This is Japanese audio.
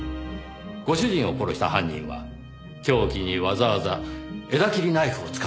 ご主人を殺した犯人は凶器にわざわざ枝切りナイフを使っていました。